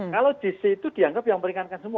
kalau dc itu dianggap yang meringankan